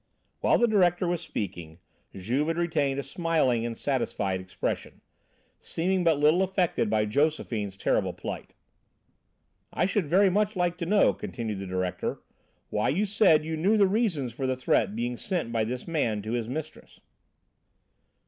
While the director was speaking, Juve had retained a smiling and satisfied expression, seeming but little affected by Josephine's terrible plight. "I should very much like to know," continued the director, "why you said you knew the reasons for the threat being sent by this man to his mistress?"